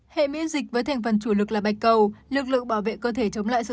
hệ miễn dịch với thành phần chủ lực là bạch cầu